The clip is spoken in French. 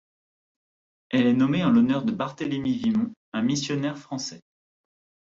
Elle est nommée en l'honneur de Barthélemy Vimont, un missionnaire français.